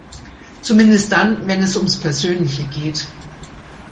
Zumindest dann, wenn es ums Persönliche geht.